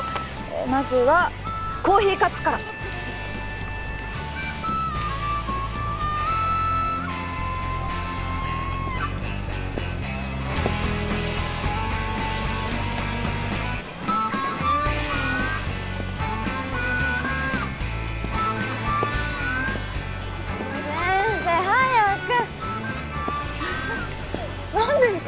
まずはコーヒーカップからもう先生早く何ですか？